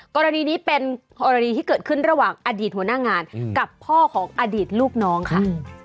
กรณีนี้เป็นกรณีที่เกิดขึ้นระหว่างอดีตหัวหน้างานกับพ่อของอดีตลูกน้องค่ะ